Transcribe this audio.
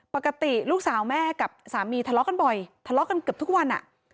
ปกติลูกสาวแม่กับสามีทะเลาะกันบ่อยทะเลาะกันเกือบทุกวัน